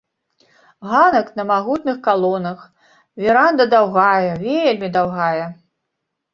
Ганак на магутных калонах, веранда даўгая, вельмі даўгая.